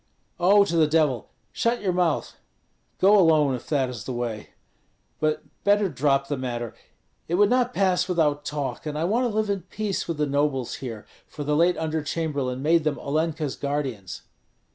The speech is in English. "Oh, to the Devil! Shut your mouth! Go alone, if that is the way; but better drop the matter. It would not pass without talk, and I want to live in peace with the nobles here, for the late under chamberlain made them Olenka's guardians."